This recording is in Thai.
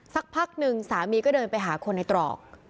สักพักหนึ่งสามีก็เดินไปหาคนในตรอก